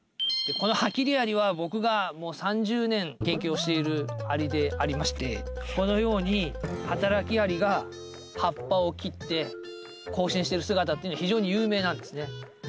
このハキリアリは僕がもう３０年研究をしているアリでありましてこのように働きアリが葉っぱを切って行進してる姿っていうのは非常に有名なんですね。